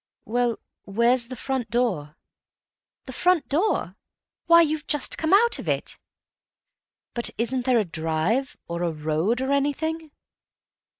"Well, where's the front door?" "The front door? Why, you've just come out of it." "But isn't there a drive, or a road or anything?"